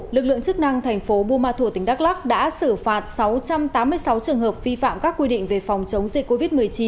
lực lượng chức năng thành phố buôn ma thuột tỉnh đắk lắc đã xử phạt sáu trăm tám mươi sáu trường hợp vi phạm các quy định về phòng chống dịch covid một mươi chín